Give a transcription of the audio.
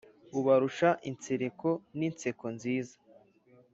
ubarusha insereko n’inseko nziza